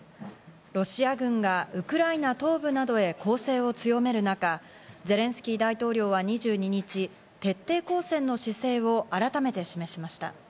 ロシア軍がウクライナ東部などへ攻勢を強める中、ゼレンスキー大統領は２２日、徹底抗戦の姿勢を改めて示しました。